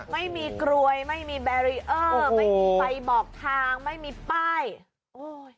ไม่มีกลวยไม่มีแบรีเออร์ไม่มีไฟบอกทางไม่มีป้ายโอ้ย